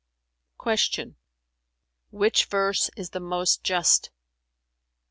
'" Q "Which verse is the most just?"